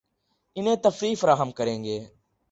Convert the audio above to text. انھیں تفریح فراہم کریں گی